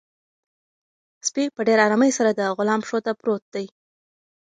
سپی په ډېر ارامۍ سره د غلام پښو ته پروت دی.